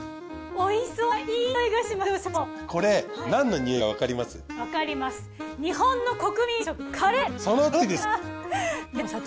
おいしそうないい匂いがしますよ社長。